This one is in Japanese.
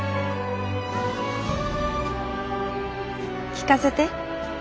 聞かせて。